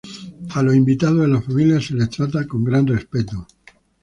A los invitados de la familia se les trata con gran respeto.